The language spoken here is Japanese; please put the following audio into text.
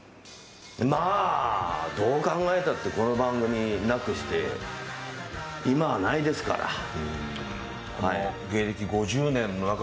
まあ、どう考えたってこの番組なくして今はないですから。